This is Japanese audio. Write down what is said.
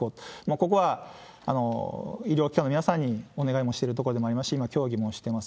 ここは医療機関の皆さんにお願いもしているところでもありますし、協議もしてます。